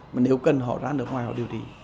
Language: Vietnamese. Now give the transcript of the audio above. mà nếu cần ra nước ngoài họ điều trị